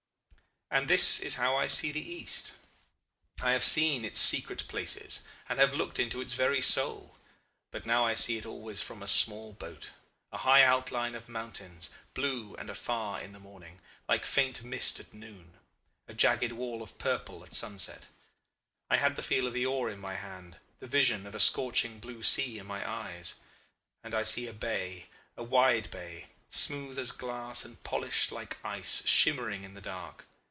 "And this is how I see the East. I have seen its secret places and have looked into its very soul; but now I see it always from a small boat, a high outline of mountains, blue and afar in the morning; like faint mist at noon; a jagged wall of purple at sunset. I have the feel of the oar in my hand, the vision of a scorching blue sea in my eyes. And I see a bay, a wide bay, smooth as glass and polished like ice, shimmering in the dark.